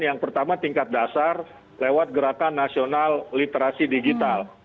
yang pertama tingkat dasar lewat gerakan nasional literasi digital